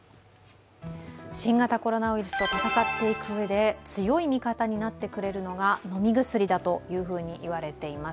新型コロナウイルスと闘っていくうえで、強い味方になってくれるのが飲み薬だといわれています。